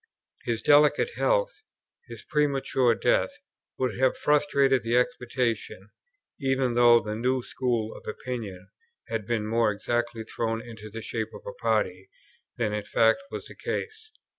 His delicate health, his premature death, would have frustrated the expectation, even though the new school of opinion had been more exactly thrown into the shape of a party, than in fact was the case.